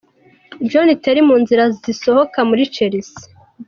John Terry mu nzira zisohoka muri Chelsea.